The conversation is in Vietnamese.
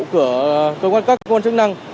của cơ quan các cơ quan chức năng